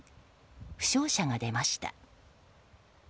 負傷者が出ました。